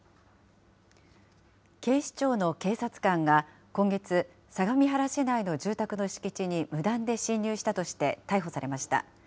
警視庁の警察官が今月、相模原市内の住宅の敷地に無断で侵入したとして逮捕されました。